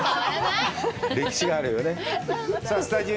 歴史があるよね。